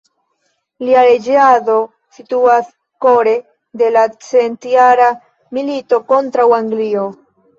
Lia reĝado situas kore de la Centjara milito kontraŭ Anglio.